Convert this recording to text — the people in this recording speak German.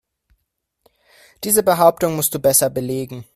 Diese Behauptung musst du besser belegen.